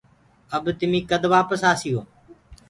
اب تمي ڪد وآپس آسيو۔